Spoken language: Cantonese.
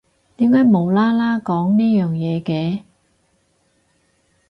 點解無啦啦講呢樣嘢嘅？